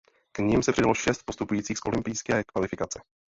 K nim se přidalo šest postupujících z olympijské kvalifikace.